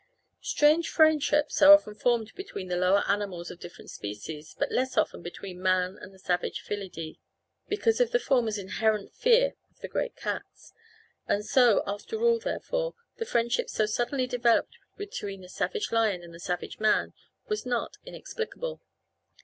Strange friendships are often formed between the lower animals of different species, but less often between man and the savage felidae, because of the former's inherent fear of the great cats. And so after all, therefore, the friendship so suddenly developed between the savage lion and the savage man was not inexplicable.